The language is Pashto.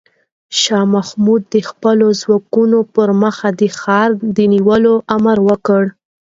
شاه محمود د خپلو ځواکونو پر مخ د ښار د نیولو امر وکړ.